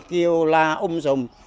kêu la ung dùng